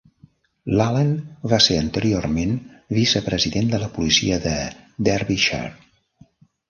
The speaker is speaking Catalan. L'Alan va ser anteriorment vicepresident de la policia de Derbyshire.